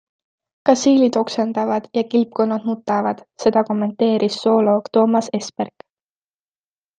Kas siilid oksendavad ja kilpkonnad nutavad, seda kommenteeris zooloog Toomas Esperk.